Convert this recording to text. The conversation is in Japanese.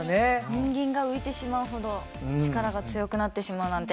人間が浮いてしまうほど力が強くなってしまうなんて。